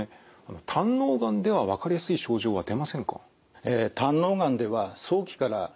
胆のうがんでは分かりやすい症状は出ませんか？